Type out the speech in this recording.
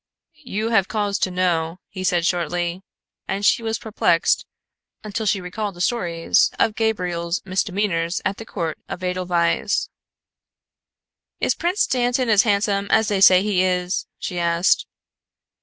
"You have cause to know," said he shortly, and she was perplexed until she recalled the stories of Gabriel's misdemeanors at the court of Edelweiss. "Is Prince Dantan as handsome as they say he is?" she asked.